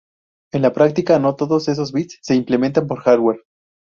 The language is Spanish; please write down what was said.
En la práctica no todos esos bits se implementan por hardware.